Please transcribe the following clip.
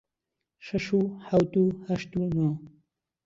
شەش و حەوت و هەشت و نۆ